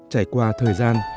trải qua thời gian